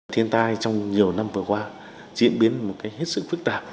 thiên tai trong nhiều năm vừa qua diễn biến một cách hết sức phức tạp